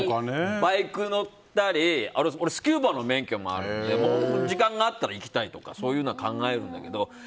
バイク乗ったりスキューバの免許もあるので時間があったら行きたいとかそういうのは考えるんだけど。